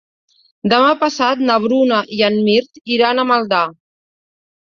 Demà passat na Bruna i en Mirt iran a Maldà.